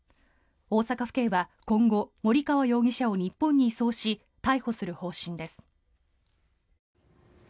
大阪府警は今後森川容疑者を日本に移送し逮捕する方針です。